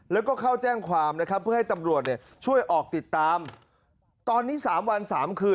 และก็เข้าแจ้งความเพื่อให้ตำรวจช่วยออกติดตามตอนนี้๓วัน๓คืน